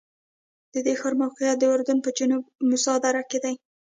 د دې ښار موقعیت د اردن په جنوب کې موسی دره کې دی.